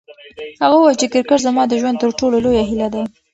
هغه وویل چې کرکټ زما د ژوند تر ټولو لویه هیله ده.